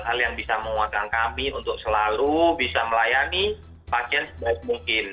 hal yang bisa menguatkan kami untuk selalu bisa melayani pasien sebaik mungkin